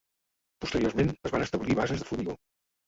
Posteriorment es van establir bases de formigó.